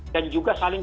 dan juga saling